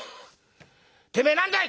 「てめえ何だい！